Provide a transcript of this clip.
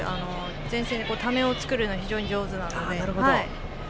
前線でためを作るのが非常に上手ですね。